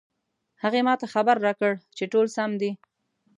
هغې ما ته خبر راکړ چې ټول سم دي